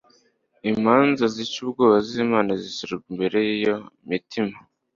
imanza zitcye ubwoba z'Imana zishyirwa imbere y'iyo mitima